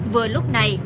vừa lúc này